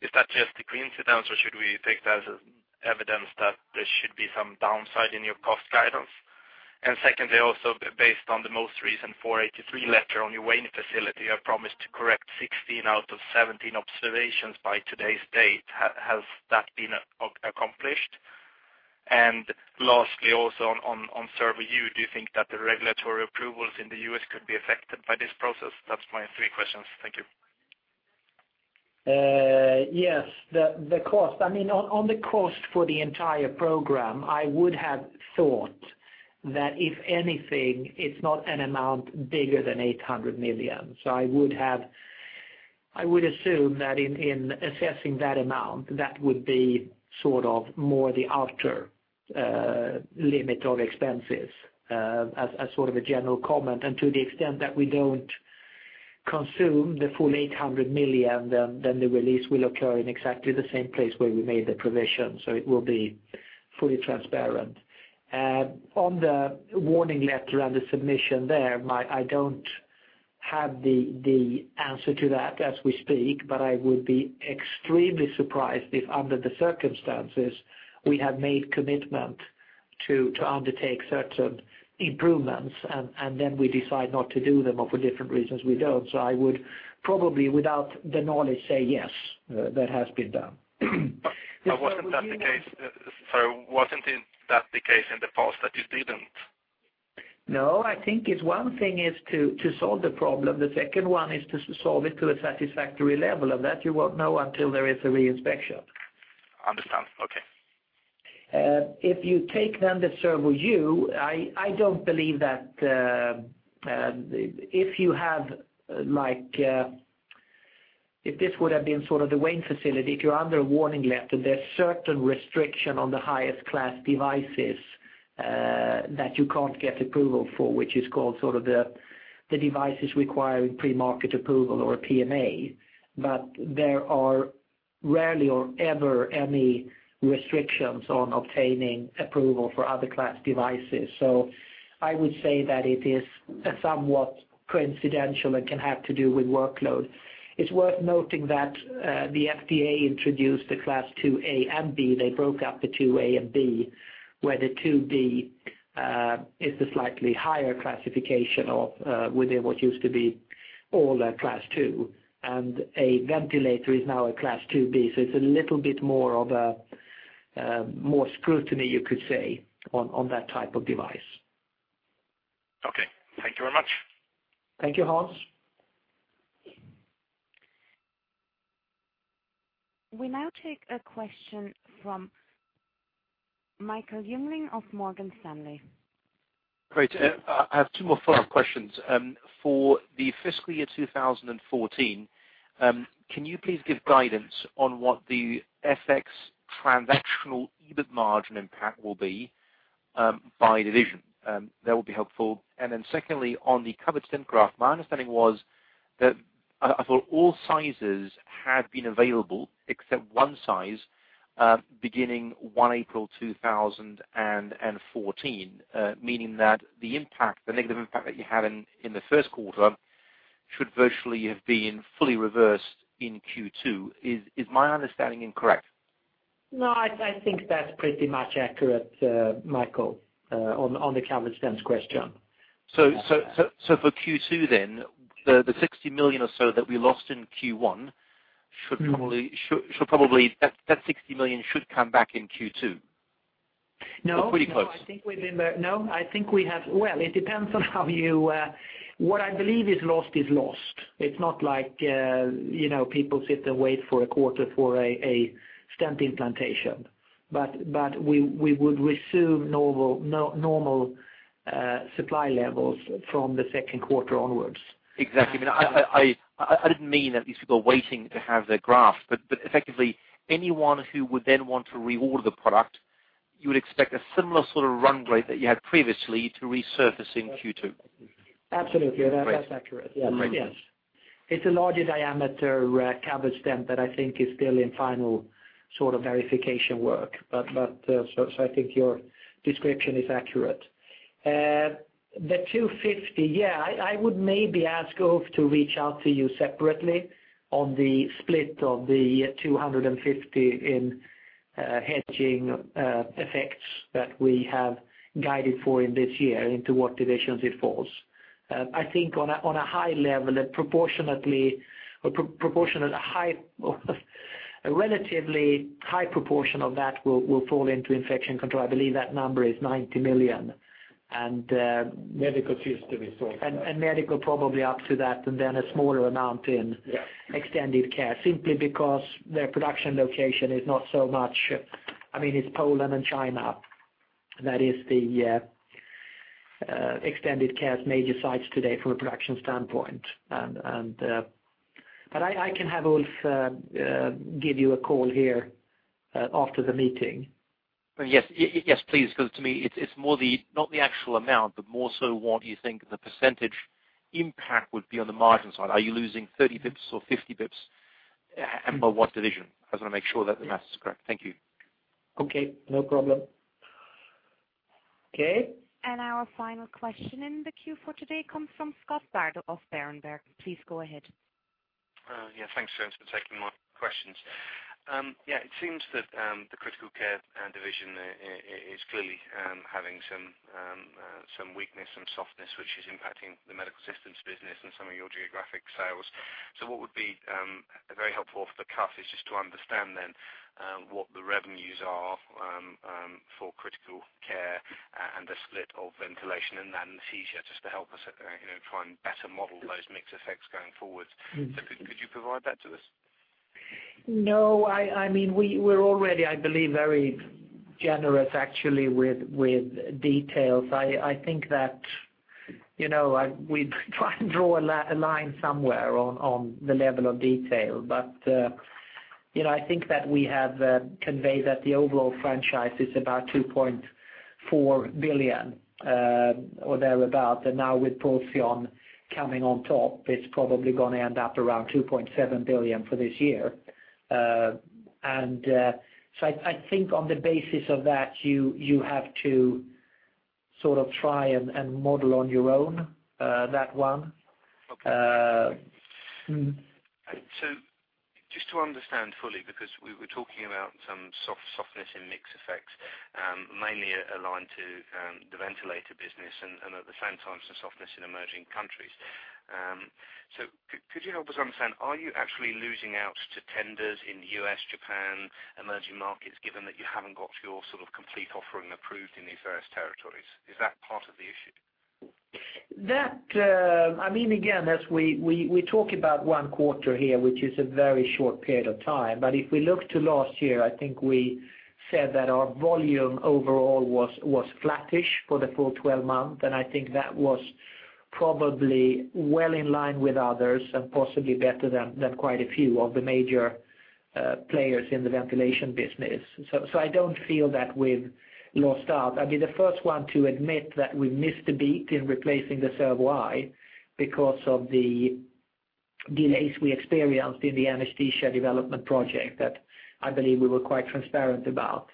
Is that just a coincidence, or should we take that as evidence that there should be some downside in your cost guidance? And secondly, also based on the most recent 483 letter on your Wayne facility, you have promised to correct 16 out of 17 observations by today's date. Has that been accomplished? And lastly, also on Servo-u, do you think that the regulatory approvals in the US could be affected by this process? That's my three questions. Thank you. Yes. The cost, I mean, on the cost for the entire program, I would have thought that, if anything, it's not an amount bigger than 800 million. So I would assume that in assessing that amount, that would be sort of more the outer limit of expenses, as sort of a general comment. And to the extent that we don't consume the full 800 million, then the release will occur in exactly the same place where we made the provision, so it will be fully transparent. On the Warning Letter and the submission there, I don't have the answer to that as we speak, but I would be extremely surprised if, under the circumstances, we have made commitment to undertake certain improvements, and then we decide not to do them, or for different reasons, we don't. So I would probably, without the knowledge, say, yes, that has been done. But wasn't that the case? Sorry, wasn't that the case in the past that you didn't? No, I think it's one thing is to solve the problem. The second one is to solve it to a satisfactory level, and that you won't know until there is a reinspection. Understand. Okay. If you take then the Servo-u, I don't believe that if you have, like, if this would have been sort of the Wayne facility, if you're under a Warning Letter, there's certain restriction on the highest class devices that you can't get approval for, which is called sort of the devices requiring Pre-Market Approval or PMA. But there are rarely or ever any restrictions on obtaining approval for other class devices. So I would say that it is somewhat coincidental and can have to do with workload. It's worth noting that the FDA introduced a Class IIa and IIb. They broke up the IIa and IIb, where the IIb is the slightly higher classification of within what used to be all the Class II, and a ventilator is now a Class IIb, so it's a little bit more of a more scrutiny, you could say, on, on that type of device. Okay. Thank you very much. Thank you, Hans. We now take a question from Michael Jungling of Morgan Stanley. Great. I have two more follow-up questions. For the fiscal year 2014, can you please give guidance on what the FX transactional EBIT margin impact will be, by division? That will be helpful. And then secondly, on the covered stent graft, my understanding was that I thought all sizes had been available except one size, beginning 1 April 2014, meaning that the impact, the negative impact that you had in the first quarter should virtually have been fully reversed in Q2. Is my understanding incorrect?... No, I think that's pretty much accurate, Michael, on the covered stents question. So for Q2 then, the 60 million or so that we lost in Q1 should probably- Mm. Should probably that 60 million should come back in Q2? No. Or pretty close. No, I think we've been there. No, I think we have. Well, it depends on how you... What I believe is lost, is lost. It's not like, you know, people sit and wait for a quarter for a stent implantation. But we would resume normal supply levels from the second quarter onwards. Exactly. But I didn't mean that these people are waiting to have their graft, but effectively, anyone who would then want to reorder the product, you would expect a similar sort of run rate that you had previously to resurfacing Q2. Absolutely. Great. That's accurate. Great. Yes. It's a larger diameter Covered Stent that I think is still in final sort of verification work. But, so I think your description is accurate. The 250, yeah, I would maybe ask Ulf to reach out to you separately on the split of the 250 in hedging effects that we have guided for in this year, into what divisions it falls. I think on a high level, that proportionately, a proportionate high, a relatively high proportion of that will fall into Infection Control. I believe that number is 90 million. And- Medical systems, so- Medical probably up to that, and then a smaller amount in- Yes... Extended Care, simply because their production location is not so much, I mean, it's Poland and China. That is the Extended Care's major sites today from a production standpoint. But I can have Ulf give you a call here after the meeting. Yes. Yes, please, because to me, it's not the actual amount, but more so what you think the percentage impact would be on the margin side. Are you losing 30 basis points or 50 basis points, and by what division? I just want to make sure that the math is correct. Thank you. Okay, no problem. Okay. Our final question in the queue for today comes from Scott Bardo of Berenberg. Please go ahead. Yeah, thanks for taking my questions. Yeah, it seems that the critical care division is clearly having some weakness, some softness, which is impacting the Medical Systems business and some of your geographic sales. So what would be very helpful off the cuff is just to understand then what the revenues are for critical care and the split of ventilation and anesthesia, just to help us, you know, try and better model those mix effects going forward. Mm-hmm. Could you provide that to us? No, I mean, we're already, I believe, very generous, actually, with details. I think that, you know, we try and draw a line somewhere on the level of detail. But, you know, I think that we have conveyed that the overall franchise is about 2.4 billion, or thereabout. And now with Pulsion coming on top, it's probably going to end up around 2.7 billion for this year. And, so I think on the basis of that, you have to sort of try and model on your own, that one. Okay. Uh, mm-hmm. So just to understand fully, because we were talking about some soft- softness in mix effects, mainly aligned to, the ventilator business and, and at the same time, some softness in emerging countries. So could you help us understand, are you actually losing out to tenders in the US, Japan, emerging markets, given that you haven't got your sort of complete offering approved in these various territories? Is that part of the issue? That, I mean, again, as we talk about one quarter here, which is a very short period of time. But if we look to last year, I think we said that our volume overall was flattish for the full 12 months, and I think that was probably well in line with others and possibly better than quite a few of the major players in the ventilation business. So I don't feel that we've lost out. I'd be the first one to admit that we missed a beat in replacing the Servo-i, because of the delays we experienced in the anesthesia development project that I believe we were quite transparent about.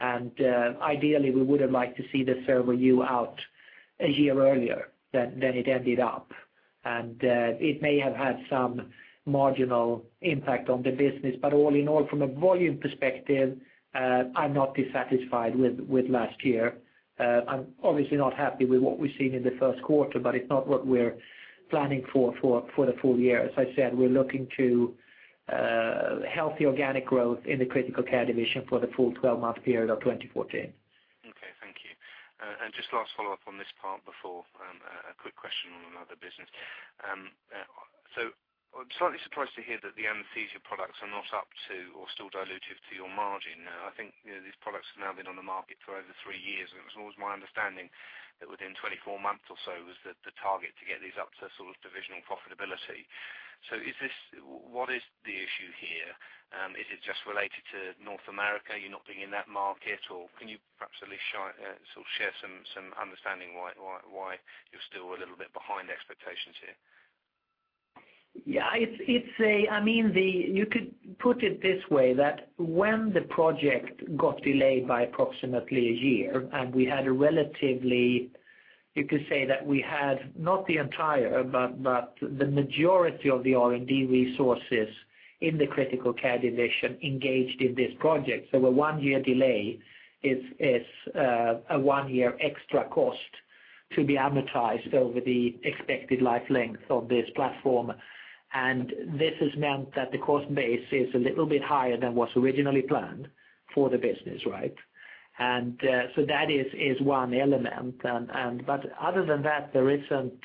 And ideally, we would have liked to see the Servo-u out a year earlier than it ended up. It may have had some marginal impact on the business, but all in all, from a volume perspective, I'm not dissatisfied with last year. I'm obviously not happy with what we've seen in the first quarter, but it's not what we're planning for the full year. As I said, we're looking to healthy organic growth in the critical care division for the full 12-month period of 2014. Okay, thank you. And just last follow-up on this part before a quick question on another business. So I'm slightly surprised to hear that the anesthesia products are not up to or still dilutive to your margin. Now, I think, you know, these products have now been on the market for over 3 years, and it was always my understanding that within 24 months or so was the target to get these up to sort of divisional profitability. So is this what is the issue here? Is it just related to North America, you not being in that market? Or can you perhaps at least shine sort of share some understanding why you're still a little bit behind expectations here? Yeah, it's a, I mean, the... You could put it this way, that when the project got delayed by approximately a year, and we had a relatively, you could say that we had not the entire, but the majority of the R&D resources in the critical care division engaged in this project. So a one-year delay is a one-year extra cost to be amortized over the expected life length of this platform. And this has meant that the cost base is a little bit higher than what's originally planned for the business, right? And so that is one element. But other than that, there isn't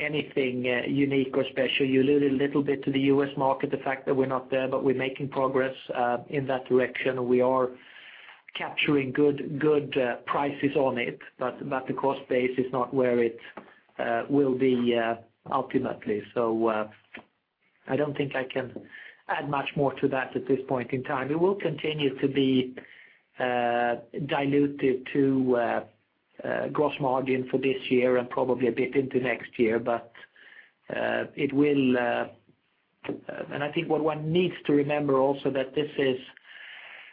anything unique or special. You look a little bit to the US market, the fact that we're not there, but we're making progress in that direction. We are capturing good, good, prices on it, but, but the cost base is not where it will be ultimately. So, I don't think I can add much more to that at this point in time. It will continue to be diluted to gross margin for this year and probably a bit into next year. But, it will... And I think what one needs to remember also, that this is-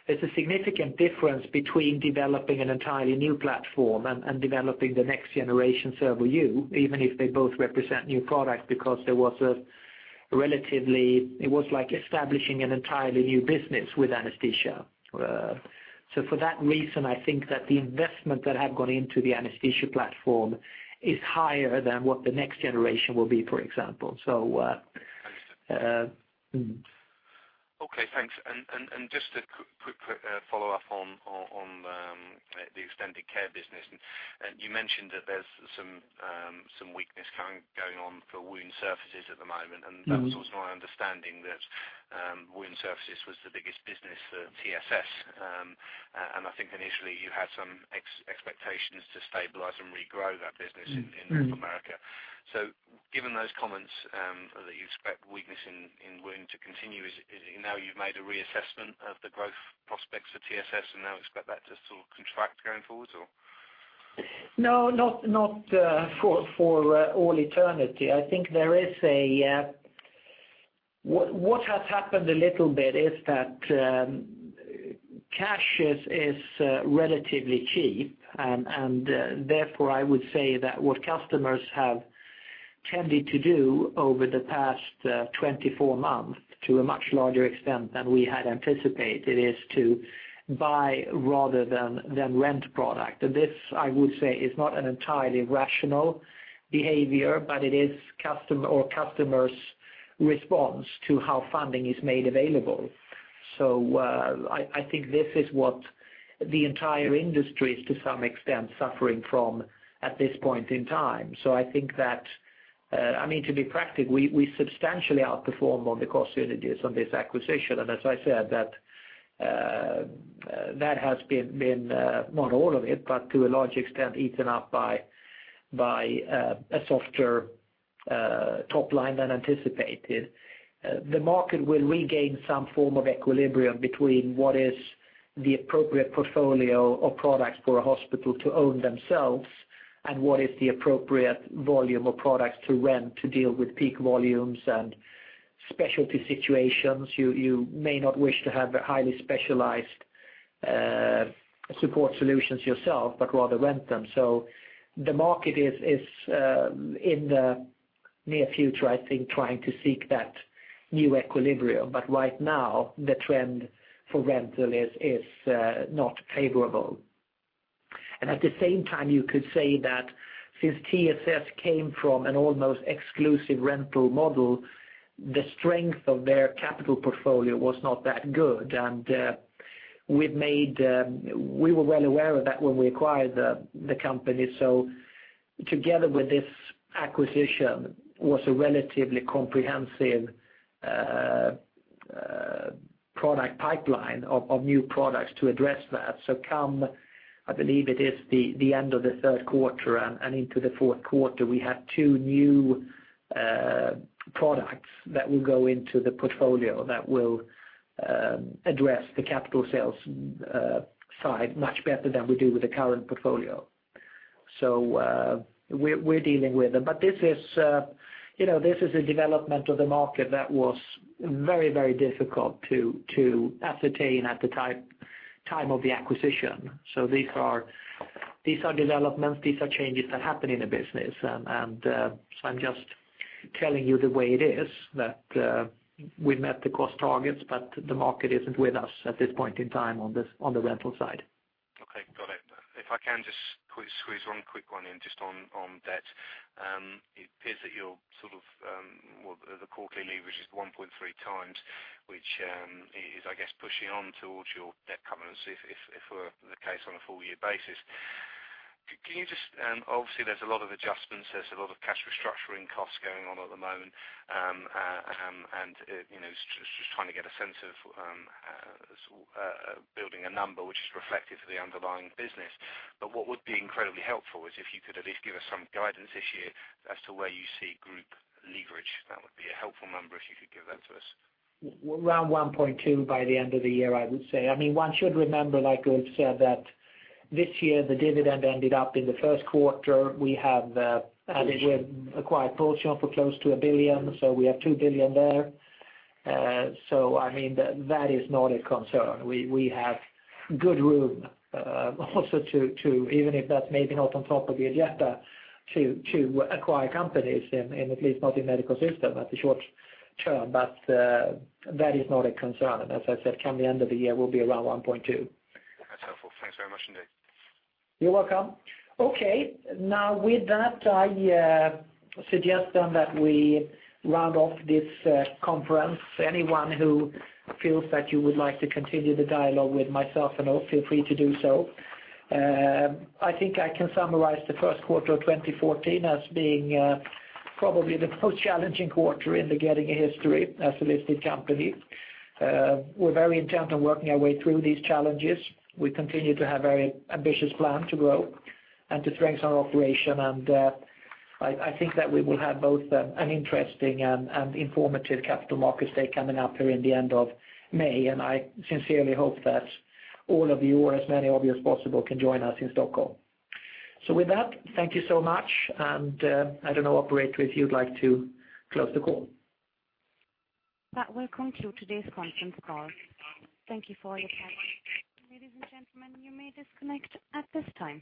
it's a significant difference between developing an entirely new platform and developing the next generation Servo-u, even if they both represent new products, because there was a relatively-- it was like establishing an entirely new business with anesthesia. So, for that reason, I think that the investment that have gone into the anesthesia platform is higher than what the next generation will be, for example. So, Okay, thanks. Just a quick follow-up on the extended care business. You mentioned that there's some weakness currently going on for wound surfaces at the moment. Mm-hmm. And that was also my understanding, that wound surfaces was the biggest business for TSS. And I think initially, you had some expectations to stabilize and regrow that business- Mm-hmm... in North America. So given those comments that you expect weakness in wound to continue, is it now you've made a reassessment of the growth prospects for TSS, and now expect that to sort of contract going forward, or? No, not for all eternity. I think there is a... What has happened a little bit is that cash is relatively cheap. And therefore, I would say that what customers have tended to do over the past 24 months, to a much larger extent than we had anticipated, is to buy rather than rent product. This, I would say, is not an entirely rational behavior, but it is customer's response to how funding is made available. So, I think this is what the entire industry is, to some extent, suffering from at this point in time. So I think that, I mean, to be practical, we substantially outperform on the cost synergies on this acquisition. As I said, that has been, not all of it, but to a large extent, eaten up by a softer top line than anticipated. The market will regain some form of equilibrium between what is the appropriate portfolio of products for a hospital to own themselves, and what is the appropriate volume of products to rent to deal with peak volumes and specialty situations. You may not wish to have highly specialized support solutions yourself, but rather rent them. So the market is in the near future, I think, trying to seek that new equilibrium. But right now, the trend for rental is not favorable. And at the same time, you could say that since TSS came from an almost exclusive rental model, the strength of their capital portfolio was not that good. We were well aware of that when we acquired the company. So together with this acquisition was a relatively comprehensive product pipeline of new products to address that. So come, I believe it is the end of the third quarter and into the fourth quarter, we have two new products that will go into the portfolio that will address the capital sales side much better than we do with the current portfolio. So, we're dealing with them. But this is, you know, this is a development of the market that was very, very difficult to ascertain at the time of the acquisition. So these are developments, these are changes that happen in a business. So I'm just telling you the way it is that we met the cost targets, but the market isn't with us at this point in time on this, on the rental side. Okay, got it. If I can just quick-squeeze one quick one in, just on, on debt. It appears that your, sort of, well, the quarterly leverage is 1.3 times, which is I guess, pushing on towards your debt covenants, if, if, were the case on a full year basis. Can you just, and obviously, there's a lot of adjustments, there's a lot of cash restructuring costs going on at the moment. And, you know, just, just trying to get a sense of, building a number which is reflective of the underlying business. But what would be incredibly helpful is if you could at least give us some guidance this year as to where you see group leverage. That would be a helpful number, if you could give that to us. Around 1.2 by the end of the year, I would say. I mean, one should remember, like we've said, that this year, the dividend ended up in the first quarter. We have acquired Portchamp for close to 1 billion, so we have 2 billion there. So I mean, that is not a concern. We have good room, also to even if that's maybe not on top of the agenda, to acquire companies, and at least not in Medical Systems at the short term, but that is not a concern. And as I said, come the end of the year, we'll be around 1.2. That's helpful. Thanks very much indeed. You're welcome. Okay, now with that, I suggest then that we round off this conference. Anyone who feels that you would like to continue the dialogue with myself and all, feel free to do so. I think I can summarize the first quarter of 2014 as being probably the most challenging quarter in the Getinge history as a listed company. We're very intent on working our way through these challenges. We continue to have very ambitious plan to grow and to strengthen our operation, and I think that we will have both an interesting and informative Capital Markets Day coming up here in the end of May. And I sincerely hope that all of you, or as many of you as possible, can join us in Stockholm. So with that, thank you so much, and, I don't know, operator, if you'd like to close the call. That will conclude today's conference call. Thank you for your time. Ladies and gentlemen, you may disconnect at this time.